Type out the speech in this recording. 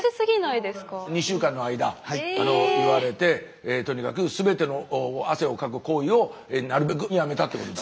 ２週間の間言われてとにかく全ての汗をかく行為をなるべくやめたってことだ。